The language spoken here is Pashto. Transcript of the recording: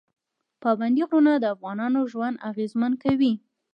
پابندی غرونه د افغانانو ژوند اغېزمن کوي.